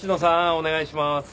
お願いします。